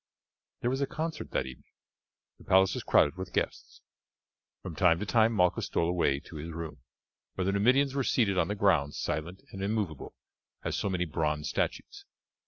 There was a concert that evening; the palace was crowded with guests. From time to time Malchus stole away to his room, where the Numidians were seated on the ground silent and immovable as so many bronze statues.